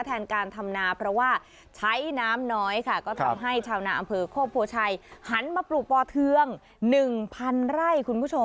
แทนการทำนาเพราะว่าใช้น้ำน้อยค่ะก็ทำให้ชาวนาอำเภอโคกโพชัยหันมาปลูกปอเทือง๑๐๐ไร่คุณผู้ชม